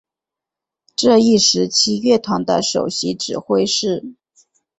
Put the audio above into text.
这一时期乐团的首席指挥是。